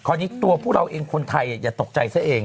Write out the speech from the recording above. นี้ตัวพวกเราเองคนไทยอย่าตกใจซะเอง